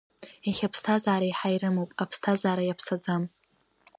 Иахьа аԥсҭазаара еиҳа ирымоуп аԥсҭазаара иаԥсаӡам.